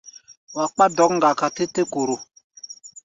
Wa kpá dɔ̌k-ŋgaka tɛ té-koro.